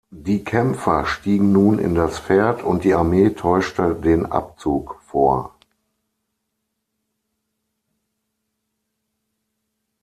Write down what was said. Die Kämpfer stiegen nun in das Pferd und die Armee täuschte den Abzug vor.